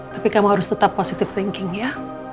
tapi kamu harus tetap positive thinking ya